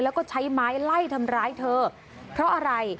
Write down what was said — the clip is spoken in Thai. แล้วก็ใช้ไม้ไล่ทำร้ายเธอเพราะอะไร